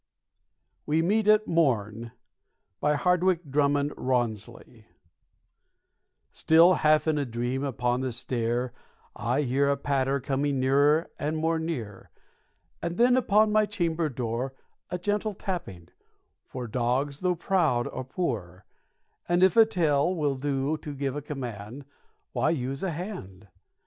"_ THE DOG'S BOOK OF VERSE WE MEET AT MORN Still half in dream, upon the stair I hear A patter coming nearer and more near, And then upon my chamber door A gentle tapping, For dogs, though proud, are poor, And if a tail will do to give command Why use a hand?